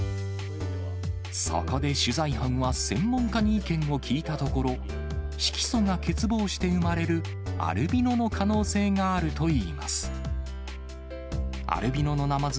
そこで取材班は、専門家に意見を聞いたところ、色素が欠乏して生まれるアルビノの可能性があるといいます。